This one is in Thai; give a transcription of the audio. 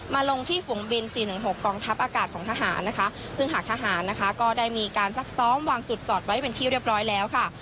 ลงที่ฝุงบิน๔๑๖กองทัพอากาศของทหารนะคะซึ่งหากทหารนะคะก็ได้มีการซักซ้อมวางจุดจอดไว้เป็นที่เรียบร้อยแล้วค่ะ